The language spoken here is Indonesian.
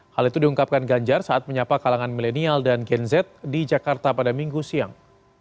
hal itu diungkapkan ganjar saat menyapa kalangan milenial dan gen z di jakarta pada minggu siang